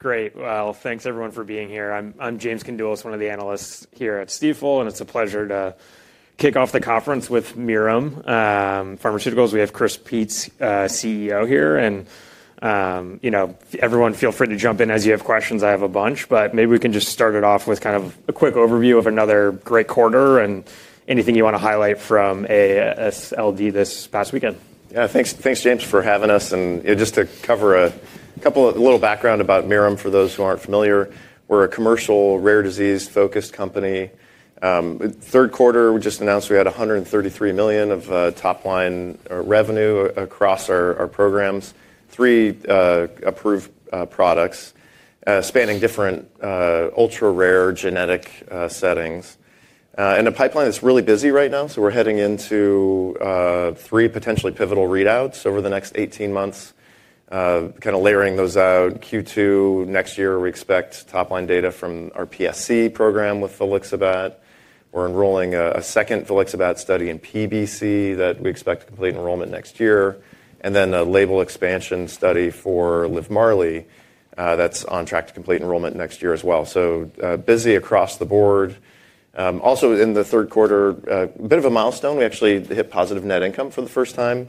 Great. Thanks everyone for being here. I'm James Condulis, one of the analysts here at Stifel, and it's a pleasure to kick off the conference with Mirum Pharmaceuticals. We have Chris Peetz, CEO here. Everyone, feel free to jump in as you have questions. I have a bunch, but maybe we can just start it off with kind of a quick overview of another great quarter and anything you want to highlight from AASLD this past weekend. Yeah, thanks, James, for having us. Just to cover a couple of little background about Mirum for those who aren't familiar, we're a commercial rare disease-focused company. Third quarter, we just announced we had $133 million of top-line revenue across our programs, three approved products spanning different ultra-rare genetic settings, and a pipeline that's really busy right now. We're heading into three potentially pivotal readouts over the next 18 months, kind of layering those out. Q2 next year, we expect top-line data from our PSC program with Volixibat. We're enrolling a second Volixibat study in PBC that we expect to complete enrollment next year. Then a label expansion study for LIVMARLI that's on track to complete enrollment next year as well. Busy across the board. Also, in the third quarter, a bit of a milestone. We actually hit positive net income for the first time.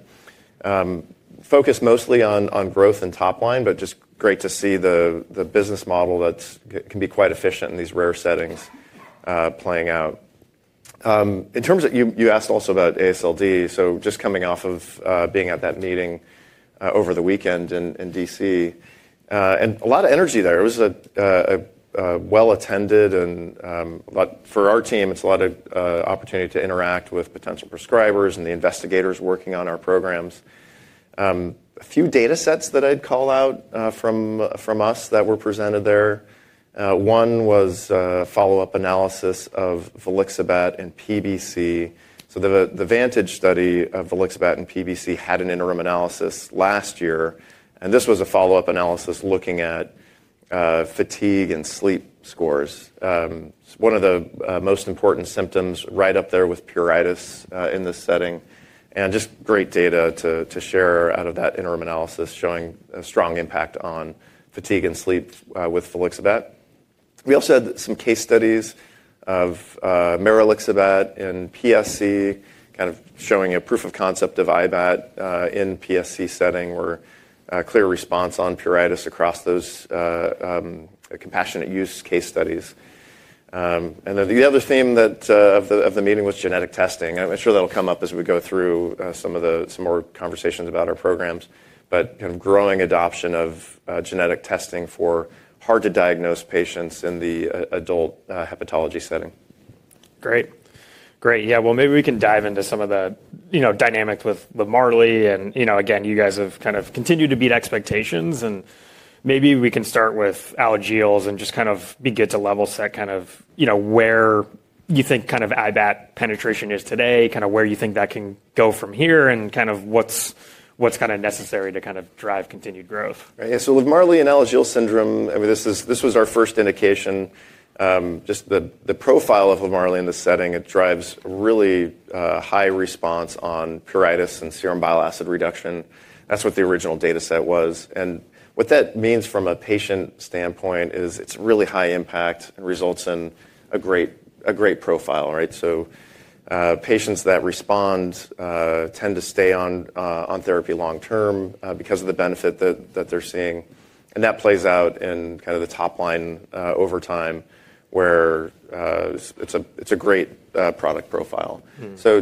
Focus mostly on growth and top line, but just great to see the business model that can be quite efficient in these rare settings playing out. You asked also about AASLD. Just coming off of being at that meeting over the weekend in Washington, D.C., and a lot of energy there. It was well-attended and for our team, it's a lot of opportunity to interact with potential prescribers and the investigators working on our programs. A few data sets that I'd call out from us that were presented there. One was follow-up analysis of Volixibat in PBC. The Vantage study of Volixibat in PBC had an interim analysis last year. This was a follow-up analysis looking at fatigue and sleep scores. One of the most important symptoms right up there with pruritus in this setting. Just great data to share out of that interim analysis showing a strong impact on fatigue and sleep with Volixibat. We also had some case studies of Livdelzi in PSC, kind of showing a proof of concept of IBAT in the PSC setting where clear response on pruritus across those compassionate use case studies. The other theme of the meeting was genetic testing. I'm sure that'll come up as we go through some more conversations about our programs, but kind of growing adoption of genetic testing for hard-to-diagnose patients in the adult hepatology setting. Great. Maybe we can dive into some of the dynamics with LIVMARLI. You guys have kind of continued to beat expectations. Maybe we can start with Alagille and just kind of begin to level set kind of where you think kind of IBAT penetration is today, kind of where you think that can go from here, and kind of what's kind of necessary to kind of drive continued growth. Right. LIVMARLI and Alagille syndrome, I mean, this was our first indication. Just the profile of LIVMARLI in this setting, it drives really high response on pruritus and serum bile acid reduction. That's what the original data set was. What that means from a patient standpoint is it's really high impact and results in a great profile, right? Patients that respond tend to stay on therapy long term because of the benefit that they're seeing. That plays out in kind of the top line over time where it's a great product profile.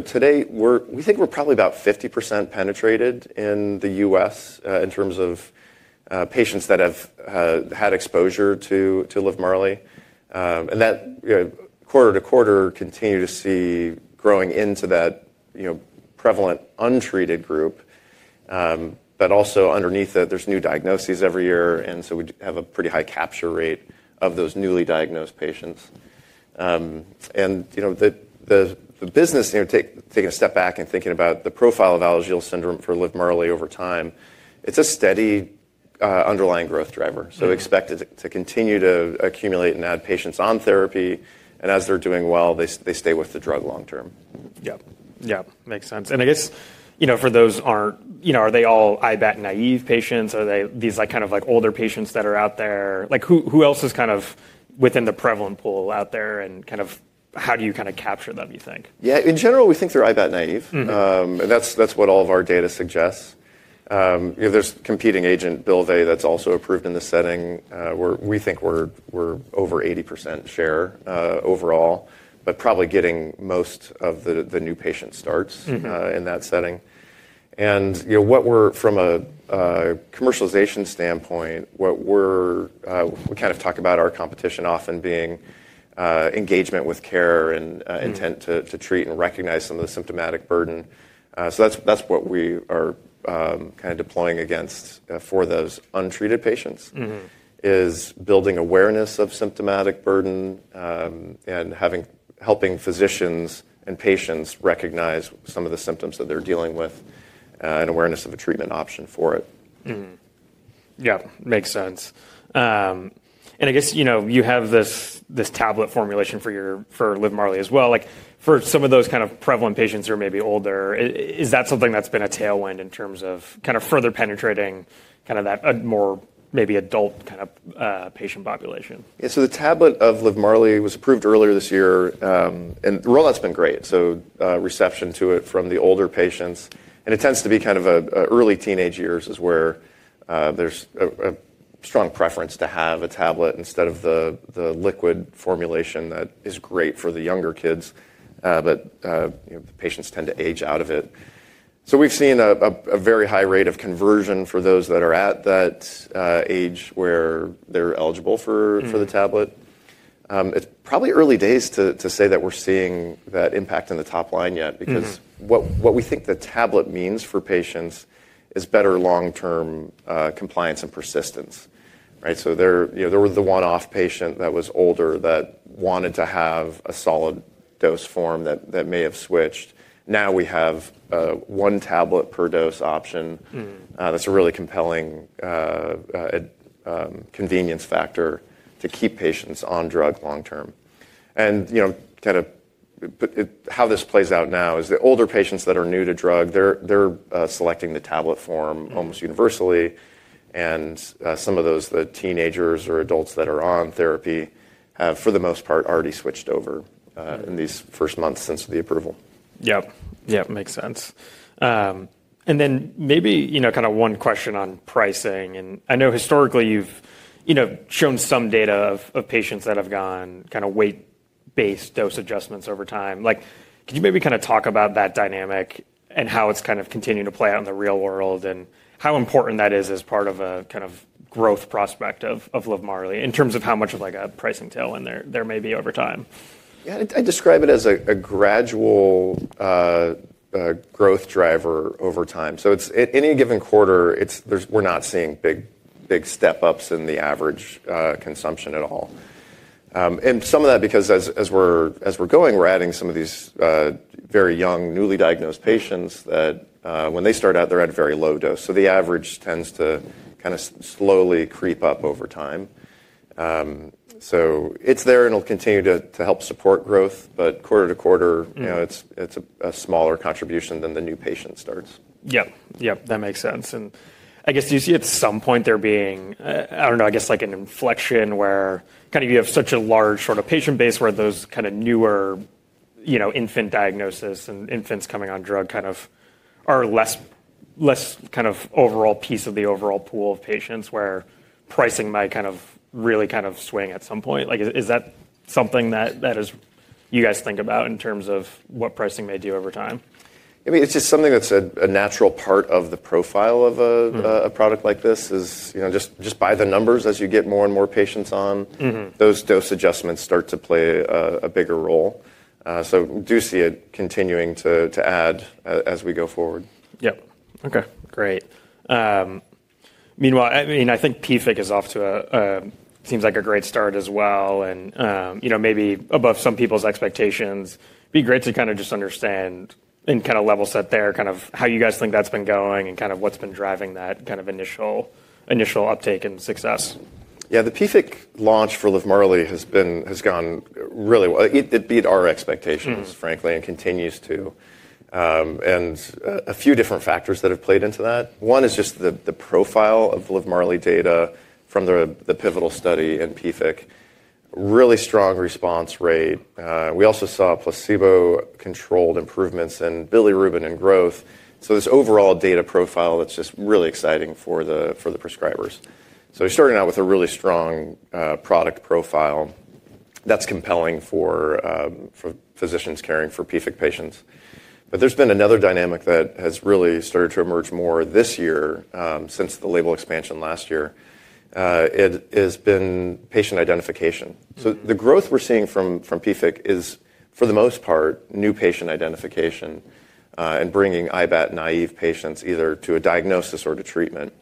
Today, we think we're probably about 50% penetrated in the U.S. in terms of patients that have had exposure to LIVMARLI. That quarter-to-quarter, we continue to see growing into that prevalent untreated group. Also underneath that, there's new diagnoses every year. We have a pretty high capture rate of those newly diagnosed patients. The business, taking a step back and thinking about the profile of Alagille syndrome for LIVMARLI over time, is a steady underlying growth driver. Expect it to continue to accumulate and add patients on therapy. As they're doing well, they stay with the drug long term. Yeah, makes sense. I guess for those, are they all IBAT naive patients? Are they these kind of older patients that are out there? Who else is kind of within the prevalent pool out there? Kind of how do you kind of capture them, you think? Yeah, in general, we think they're IBAT naive. That's what all of our data suggests. There's competing agent Bylvay that's also approved in this setting where we think we're over 80% share overall, but probably getting most of the new patient starts in that setting. From a commercialization standpoint, we kind of talk about our competition often being engagement with care and intent to treat and recognize some of the symptomatic burden. That's what we are kind of deploying against for those untreated patients is building awareness of symptomatic burden and helping physicians and patients recognize some of the symptoms that they're dealing with and awareness of a treatment option for it. Yeah, makes sense. I guess you have this tablet formulation for LIVMARLI as well. For some of those kind of prevalent patients who are maybe older, is that something that's been a tailwind in terms of kind of further penetrating kind of that more maybe adult kind of patient population? Yeah, so the tablet of LIVMARLI was approved earlier this year. The rollout's been great. Reception to it from the older patients, and it tends to be kind of early teenage years is where there's a strong preference to have a tablet instead of the liquid formulation that is great for the younger kids. Patients tend to age out of it. We've seen a very high rate of conversion for those that are at that age where they're eligible for the tablet. It's probably early days to say that we're seeing that impact in the top line yet because what we think the tablet means for patients is better long-term compliance and persistence, right? There was the one-off patient that was older that wanted to have a solid dose form that may have switched. Now we have one tablet per dose option. That's a really compelling convenience factor to keep patients on drug long term. Kind of how this plays out now is the older patients that are new to drug, they're selecting the tablet form almost universally. Some of those, the teenagers or adults that are on therapy have, for the most part, already switched over in these first months since the approval. Yep, makes sense. Maybe kind of one question on pricing. I know historically you've shown some data of patients that have gone kind of weight-based dose adjustments over time. Could you maybe kind of talk about that dynamic and how it's kind of continuing to play out in the real world and how important that is as part of a kind of growth prospect of LIVMARLI in terms of how much of a pricing tailwind there may be over time? Yeah, I'd describe it as a gradual growth driver over time. In any given quarter, we're not seeing big step ups in the average consumption at all. Some of that because as we're going, we're adding some of these very young, newly diagnosed patients that when they start out, they're at a very low dose. The average tends to kind of slowly creep up over time. It's there and it'll continue to help support growth. Quarter-to-quarter, it's a smaller contribution than the new patient starts. Yep, that makes sense. I guess do you see at some point there being, I don't know, I guess like an inflection where you have such a large sort of patient base where those newer infant diagnoses and infants coming on drug are less overall piece of the overall pool of patients, where pricing might really swing at some point? Is that something that you guys think about in terms of what pricing may do over time? I mean, it's just something that's a natural part of the profile of a product like this. It's just by the numbers as you get more and more patients on, those dose adjustments start to play a bigger role. We do see it continuing to add as we go forward. Yep. Okay, great. Meanwhile, I mean, I think PFIC is off to a, seems like a great start as well. Maybe above some people's expectations. It'd be great to kind of just understand and kind of level set there, kind of how you guys think that's been going and kind of what's been driving that kind of initial uptake and success. Yeah, the PFIC launch for LIVMARLI has gone really well. It beat our expectations, frankly, and continues to. A few different factors have played into that. One is just the profile of LIVMARLI data from the pivotal study in PFIC, really strong response rate. We also saw placebo-controlled improvements in bilirubin and growth. This overall data profile is just really exciting for the prescribers. We started out with a really strong product profile that's compelling for physicians caring for PFIC patients. There has been another dynamic that has really started to emerge more this year since the label expansion last year. It has been patient identification. The growth we're seeing from PFIC is, for the most part, new patient identification and bringing IBAT naive patients either to a diagnosis or to treatment.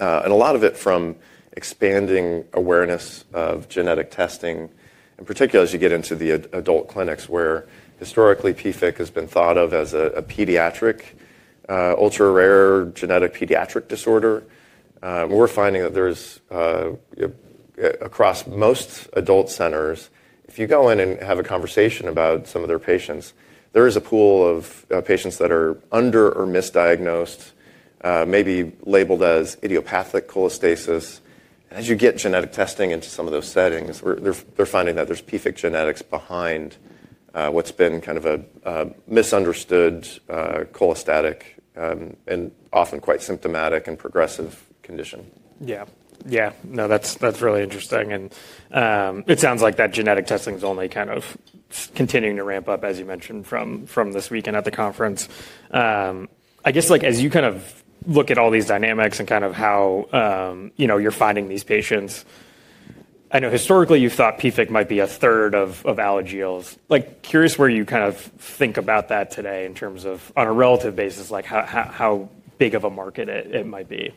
A lot of it from expanding awareness of genetic testing, in particular as you get into the adult clinics where historically PFIC has been thought of as a pediatric ultra-rare genetic pediatric disorder. We're finding that there's across most adult centers, if you go in and have a conversation about some of their patients, there is a pool of patients that are under or misdiagnosed, maybe labeled as idiopathic cholestasis. As you get genetic testing into some of those settings, they're finding that there's PFIC genetics behind what's been kind of a misunderstood cholestatic and often quite symptomatic and progressive condition. Yeah, no, that's really interesting. It sounds like that genetic testing is only kind of continuing to ramp up, as you mentioned, from this weekend at the conference. I guess as you kind of look at all these dynamics and kind of how you're finding these patients, I know historically you thought PFIC might be a third of Alagilles. Curious where you kind of think about that today in terms of on a relative basis, like how big of a market it might be?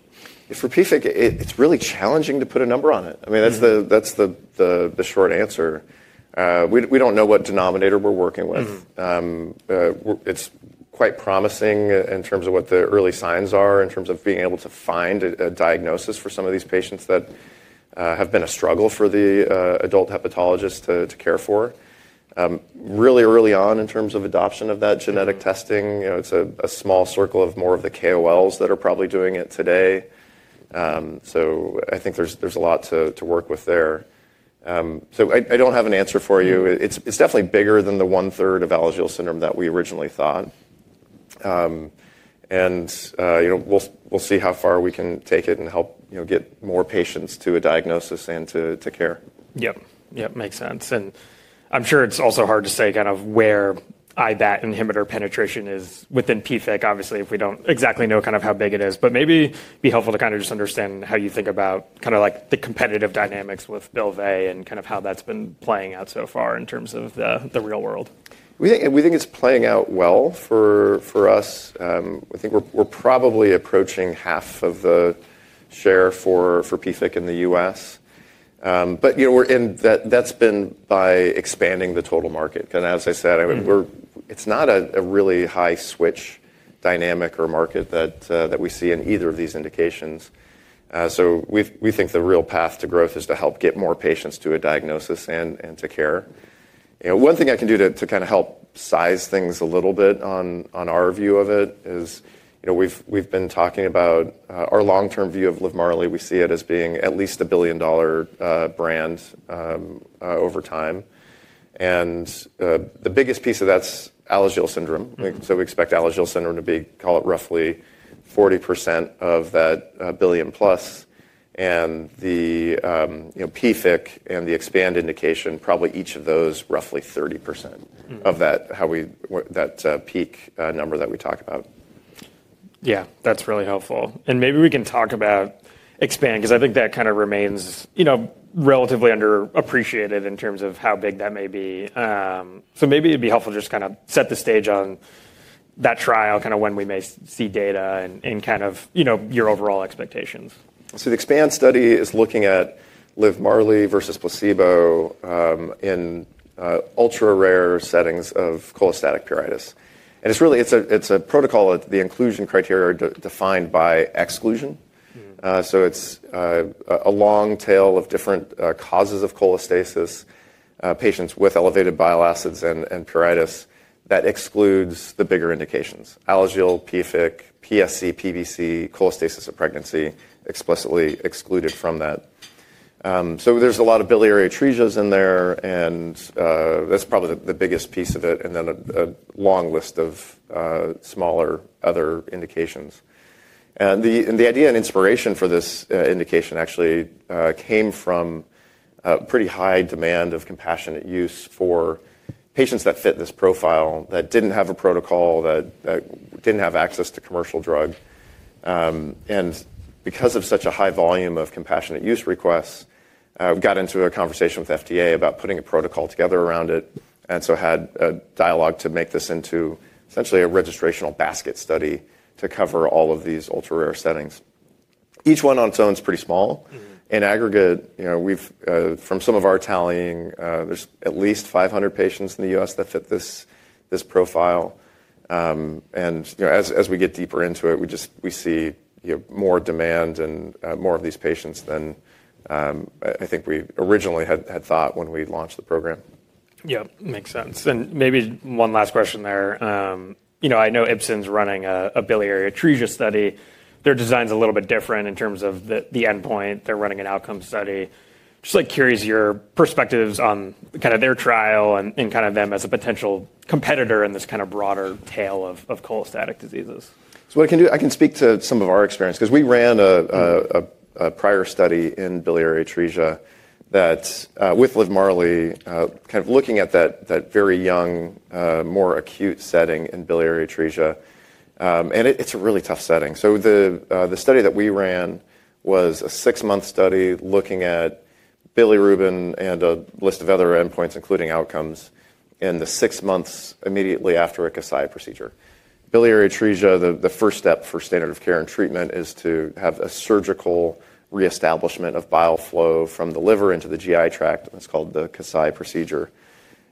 For PFIC, it's really challenging to put a number on it. I mean, that's the short answer. We don't know what denominator we're working with. It's quite promising in terms of what the early signs are in terms of being able to find a diagnosis for some of these patients that have been a struggle for the adult hepatologist to care for. Really early on in terms of adoption of that genetic testing, it's a small circle of more of the KOLs that are probably doing it today. I think there's a lot to work with there. I don't have an answer for you. It's definitely bigger than the one-third of Alagille syndrome that we originally thought. We will see how far we can take it and help get more patients to a diagnosis and to care. Yep, makes sense. I'm sure it's also hard to say kind of where IBAT inhibitor penetration is within PFIC, obviously, if we don't exactly know kind of how big it is. Maybe it'd be helpful to kind of just understand how you think about kind of like the competitive dynamics with Bylvay and kind of how that's been playing out so far in terms of the real world. We think it's playing out well for us. I think we're probably approaching half of the share for PFIC in the U.S. That's been by expanding the total market. As I said, it's not a really high switch dynamic or market that we see in either of these indications. We think the real path to growth is to help get more patients to a diagnosis and to care. One thing I can do to kind of help size things a little bit on our view of it is we've been talking about our long-term view of LIVMARLI. We see it as being at least $1 billion brand over time. The biggest piece of that is Alagille syndrome. We expect Alagille syndrome to be, call it roughly 40% of that billion+. The PFIC and the expand indication, probably each of those roughly 30% of that peak number that we talk about. Yeah, that's really helpful. Maybe we can talk about expand because I think that kind of remains relatively underappreciated in terms of how big that may be. Maybe it'd be helpful to just kind of set the stage on that trial, kind of when we may see data, and kind of your overall expectations. The expand study is looking at Livdelzi versus placebo in ultra-rare settings of cholestatic pruritus. It is a protocol that the inclusion criteria are defined by exclusion. It is a long tail of different causes of cholestasis, patients with elevated bile acids and pruritus that excludes the bigger indications, Alagille, PFIC, PSC, PBC, cholestasis of pregnancy explicitly excluded from that. There is a lot of biliary atresia in there. That is probably the biggest piece of it. Then a long list of smaller other indications. The idea and inspiration for this indication actually came from pretty high demand of compassionate use for patients that fit this profile that did not have a protocol, that did not have access to commercial drug. Because of such a high volume of compassionate use requests, we got into a conversation with FDA about putting a protocol together around it. Had a dialogue to make this into essentially a registrational basket study to cover all of these ultra-rare settings. Each one on its own is pretty small. In aggregate, from some of our tallying, there are at least 500 patients in the U.S. that fit this profile. As we get deeper into it, we see more demand and more of these patients than I think we originally had thought when we launched the program. Yep, makes sense. Maybe one last question there. I know Ipsen's running a biliary atresia study. Their design's a little bit different in terms of the endpoint. They're running an outcome study. Just curious your perspectives on kind of their trial and kind of them as a potential competitor in this kind of broader tail of cholestatic diseases. What I can do, I can speak to some of our experience because we ran a prior study in biliary atresia with LIVMARLI kind of looking at that very young, more acute setting in biliary atresia. It's a really tough setting. The study that we ran was a six-month study looking at bilirubin and a list of other endpoints, including outcomes in the six months immediately after a Kasai procedure. Biliary atresia, the first step for standard of care and treatment is to have a surgical reestablishment of bile flow from the liver into the GI tract. That's called the Kasai procedure.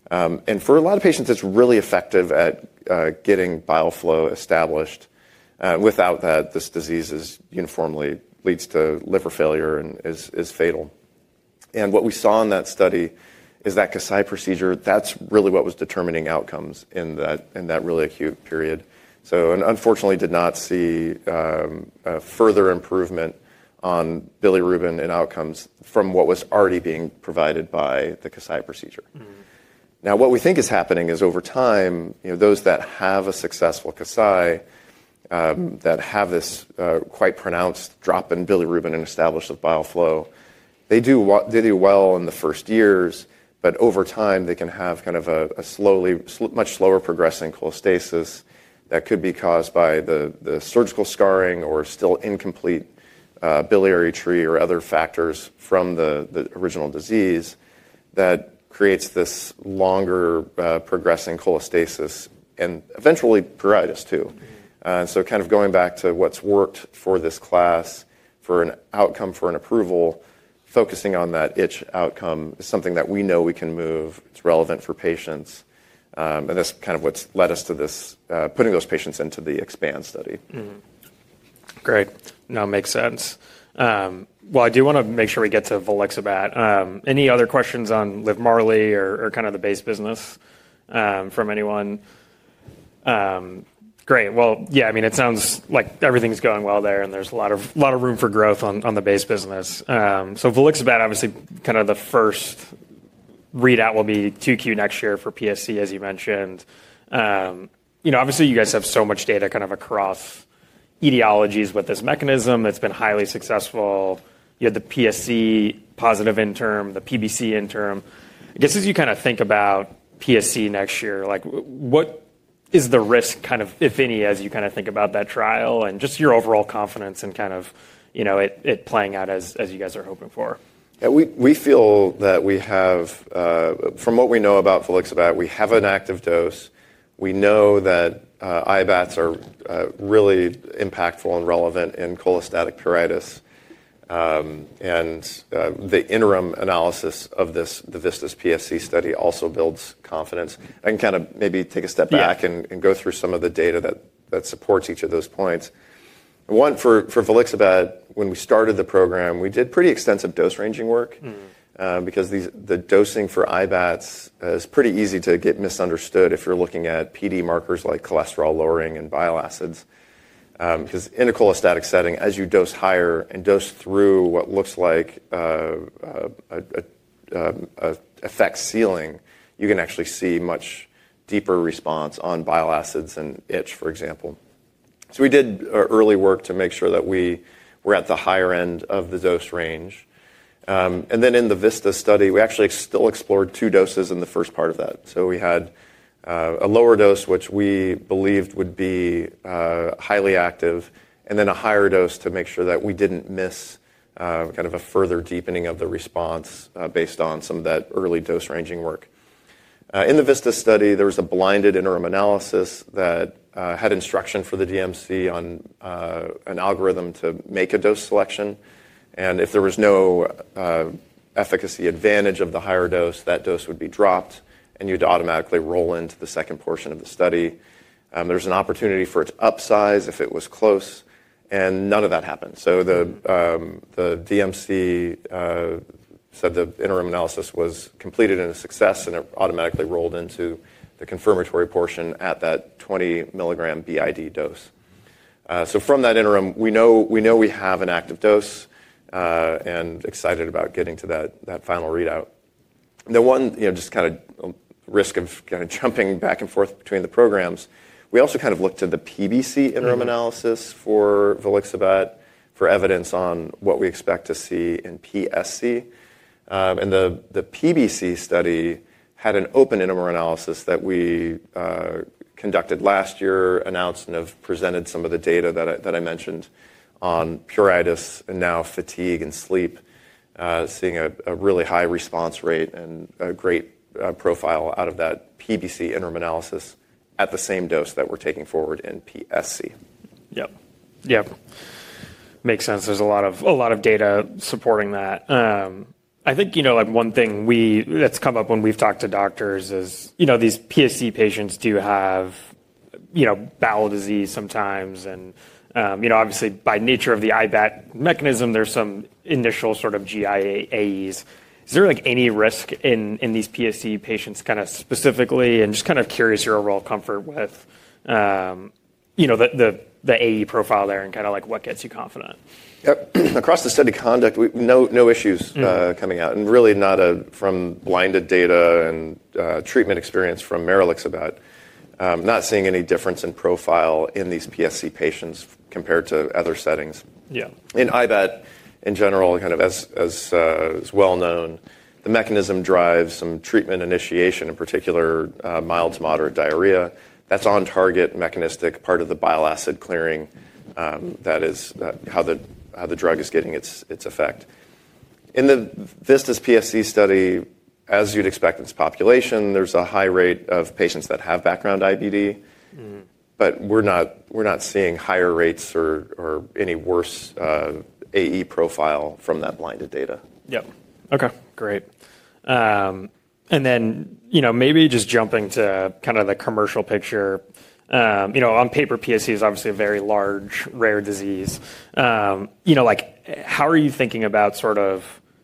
For a lot of patients, it's really effective at getting bile flow established. Without that, this disease uniformly leads to liver failure and is fatal. What we saw in that study is that Kasai procedure, that's really what was determining outcomes in that really acute period. Unfortunately, did not see further improvement on bilirubin and outcomes from what was already being provided by the Kasai procedure. What we think is happening is over time, those that have a successful Kasai that have this quite pronounced drop in bilirubin and establish the bile flow, they do well in the first years, but over time, they can have kind of a slowly, much slower progressing cholestasis that could be caused by the surgical scarring or still incomplete biliary tree or other factors from the original disease that creates this longer progressing cholestasis and eventually pruritus too. Kind of going back to what's worked for this class for an outcome for an approval, focusing on that itch outcome is something that we know we can move. It's relevant for patients. That's kind of what's led us to putting those patients into the expand study. Great. No, makes sense. I do want to make sure we get to Volixibat. Any other questions on LIVMARLI or kind of the base business from anyone? Great. Yeah, I mean, it sounds like everything's going well there and there's a lot of room for growth on the base business. Volixibat, obviously, kind of the first readout will be 2Q next year for PSC, as you mentioned. Obviously, you guys have so much data kind of across etiologies with this mechanism. It's been highly successful. You had the PSC positive interim, the PBC interim. I guess as you kind of think about PSC next year, what is the risk, if any, as you kind of think about that trial and just your overall confidence in it playing out as you guys are hoping for? We feel that we have, from what we know about Volixibat, we have an active dose. We know that IBATs are really impactful and relevant in cholestatic pruritus. The interim analysis of the Vistus PSC study also builds confidence. I can kind of maybe take a step back and go through some of the data that supports each of those points. One, for Volixibat, when we started the program, we did pretty extensive dose ranging work because the dosing for IBATs is pretty easy to get misunderstood if you're looking at PD markers like cholesterol lowering and bile acids. Because in a cholestatic setting, as you dose higher and dose through what looks like a FX ceiling, you can actually see much deeper response on bile acids and itch, for example. We did early work to make sure that we were at the higher end of the dose range. In the Vistus study, we actually still explored two doses in the first part of that. We had a lower dose, which we believed would be highly active, and then a higher dose to make sure that we did not miss kind of a further deepening of the response based on some of that early dose ranging work. In the Vistus study, there was a blinded interim analysis that had instruction for the DMC on an algorithm to make a dose selection. If there was no efficacy advantage of the higher dose, that dose would be dropped and you would automatically roll into the second portion of the study. There is an opportunity for it to upsize if it was close. None of that happened. The DMC said the interim analysis was completed in a success and it automatically rolled into the confirmatory portion at that 20 milligram BID dose. From that interim, we know we have an active dose and excited about getting to that final readout. The one just kind of risk of kind of jumping back and forth between the programs, we also kind of looked to the PBC interim analysis for Volixibat for evidence on what we expect to see in PSC. The PBC study had an open interim analysis that we conducted last year, announced and have presented some of the data that I mentioned on pruritus and now fatigue and sleep, seeing a really high response rate and a great profile out of that PBC interim analysis at the same dose that we're taking forward in PSC. Yep. Makes sense. There's a lot of data supporting that. I think one thing that's come up when we've talked to doctors is these PSC patients do have bowel disease sometimes. Obviously, by nature of the IBAT mechanism, there's some initial sort of GI AEs. Is there any risk in these PSC patients kind of specifically? I'm just kind of curious your overall comfort with the AE profile there and kind of like what gets you confident? Yep. Across the study conduct, no issues coming out. Really not from blinded data and treatment experience from Mirum Pharmaceuticals. Not seeing any difference in profile in these PSC patients compared to other settings. In IBAT in general, kind of as well known, the mechanism drives some treatment initiation, in particular, mild to moderate diarrhea. That's on target mechanistic part of the bile acid clearing. That is how the drug is getting its effect. In the, this PSC study, as you'd expect in this population, there's a high rate of patients that have background IBD. We're not seeing higher rates or any worse AE profile from that blinded data. Yep. Okay. Great. Maybe just jumping to kind of the commercial picture. On paper, PSC is obviously a very large rare disease. How are you thinking about sort of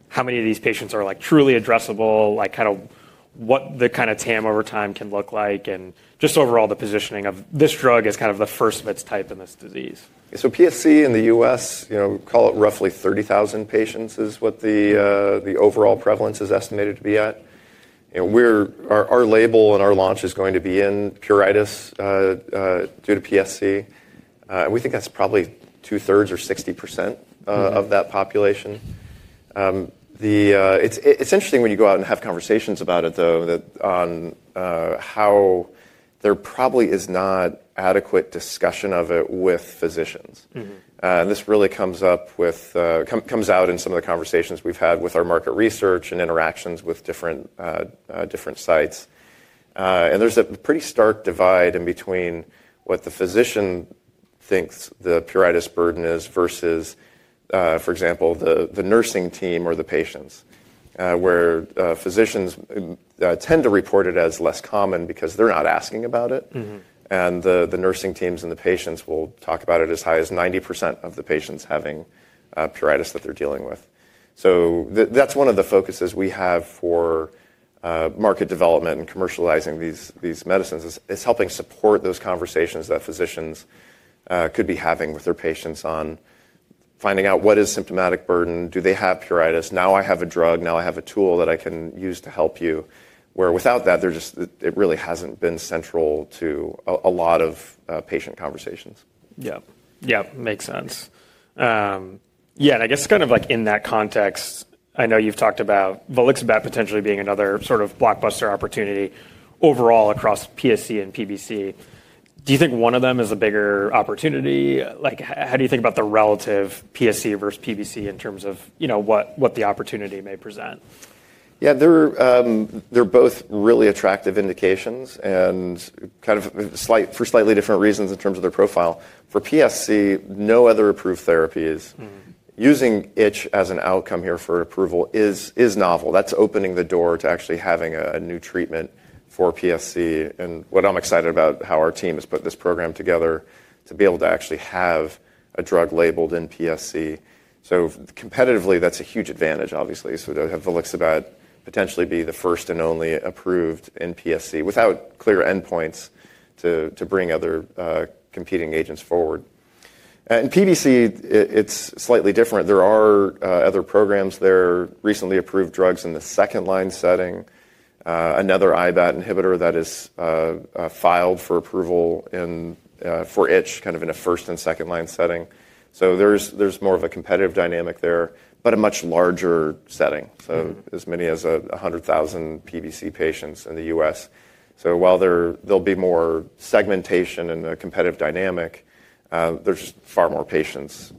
how many of these patients are truly addressable? Kind of what the kind of TAM over time can look like and just overall the positioning of this drug as kind of the first of its type in this disease? PSC in the U.S., call it roughly 30,000 patients is what the overall prevalence is estimated to be at. Our label and our launch is going to be in pruritus due to PSC. We think that's probably 2/3 or 60% of that population. It's interesting when you go out and have conversations about it, though, on how there probably is not adequate discussion of it with physicians. This really comes out in some of the conversations we've had with our market research and interactions with different sites. There's a pretty stark divide in between what the physician thinks the pruritus burden is versus, for example, the nursing team or the patients, where physicians tend to report it as less common because they're not asking about it. The nursing teams and the patients will talk about it as high as 90% of the patients having pruritus that they're dealing with. That is one of the focuses we have for market development and commercializing these medicines, helping support those conversations that physicians could be having with their patients on finding out what is symptomatic burden. Do they have pruritus? Now I have a drug. Now I have a tool that I can use to help you. Where without that, it really hasn't been central to a lot of patient conversations. Yep. Makes sense. Yeah. I guess kind of like in that context, I know you've talked about Volixibat potentially being another sort of blockbuster opportunity overall across PSC and PBC. Do you think one of them is a bigger opportunity? How do you think about the relative PSC versus PBC in terms of what the opportunity may present? Yeah. They're both really attractive indications and kind of for slightly different reasons in terms of their profile. For PSC, no other approved therapies. Using itch as an outcome here for approval is novel. That's opening the door to actually having a new treatment for PSC. What I'm excited about is how our team has put this program together to be able to actually have a drug labeled in PSC. Competitively, that's a huge advantage, obviously. To have Volixibat potentially be the first and only approved in PSC without clear endpoints to bring other competing agents forward. In PBC, it's slightly different. There are other programs. There are recently approved drugs in the second-line setting. Another IBAT inhibitor that is filed for approval for itch kind of in a first and second-line setting. There's more of a competitive dynamic there, but a much larger setting. As many as 100,000 PBC patients in the U.S. While there'll be more segmentation and a competitive dynamic, there's far more patients.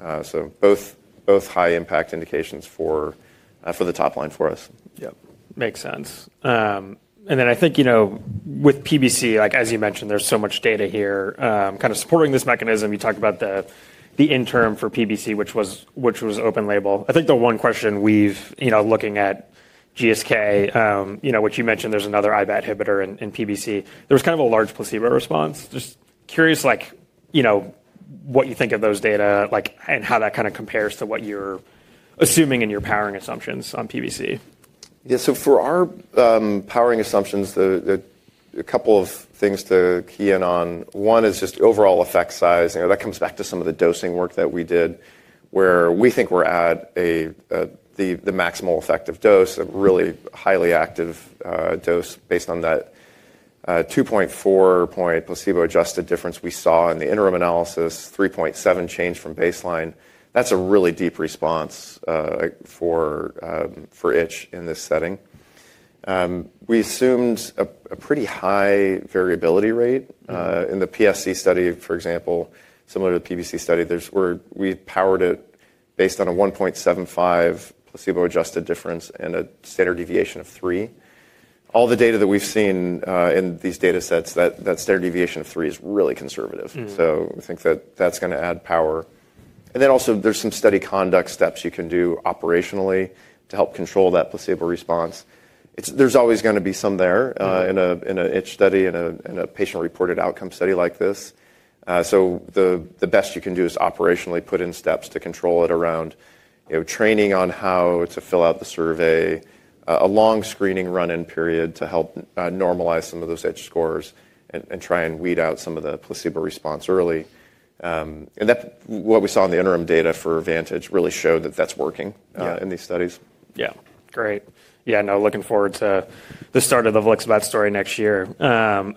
Both high-impact indications for the top line for us. Yep. Makes sense. I think with PBC, as you mentioned, there's so much data here kind of supporting this mechanism. You talked about the interim for PBC, which was open label. I think the one question we've, looking at GSK, which you mentioned there's another IBAT inhibitor in PBC, there was kind of a large placebo response. Just curious what you think of those data and how that kind of compares to what you're assuming in your powering assumptions on PBC. Yeah. For our powering assumptions, a couple of things to key in on. One is just overall effect size. That comes back to some of the dosing work that we did, where we think we're at the maximal effective dose, a really highly active dose based on that 2.4-point placebo-adjusted difference we saw in the interim analysis, 3.7 change from baseline. That's a really deep response for itch in this setting. We assumed a pretty high variability rate in the PSC study, for example, similar to the PBC study. We powered it based on a 1.75 placebo-adjusted difference and a standard deviation of 3. All the data that we've seen in these data sets, that standard deviation of 3 is really conservative. We think that that's going to add power. There are also some study conduct steps you can do operationally to help control that placebo response. There's always going to be some there in an itch study, in a patient-reported outcome study like this. The best you can do is operationally put in steps to control it around training on how to fill out the survey, a long screening run-in period to help normalize some of those itch scores and try and weed out some of the placebo response early. What we saw in the interim data for Vantage really showed that that's working in these studies. Yeah. Great. Yeah. No, looking forward to the start of the Volixibat story next year.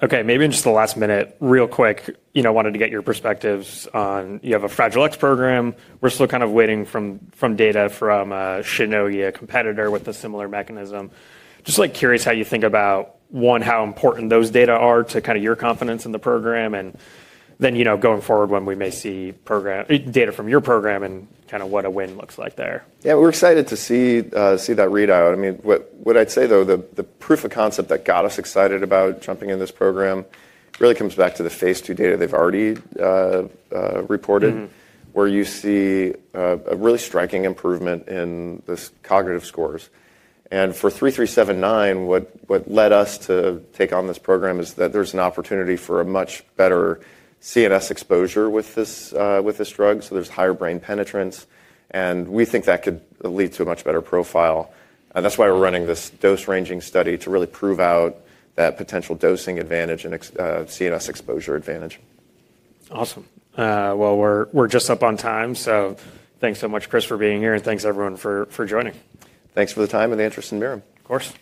Okay. Maybe in just the last minute, real quick, wanted to get your perspectives on you have a Fragile X program. We're still kind of waiting for data from Zynerba Pharmaceuticals, a competitor with a similar mechanism. Just curious how you think about, one, how important those data are to kind of your confidence in the program, and then going forward when we may see data from your program and kind of what a win looks like there. Yeah. We're excited to see that readout. I mean, what I'd say, though, the proof of concept that got us excited about jumping in this program really comes back to the phase two data they've already reported, where you see a really striking improvement in these cognitive scores. And for 3379, what led us to take on this program is that there's an opportunity for a much better CNS exposure with this drug. So there's higher brain penetrance. And we think that could lead to a much better profile. And that's why we're running this dose ranging study to really prove out that potential dosing advantage and CNS exposure advantage. Awesome. We're just up on time. Thanks so much, Chris, for being here. Thanks everyone for joining. Thanks for the time and the interest in Mirum. Of course.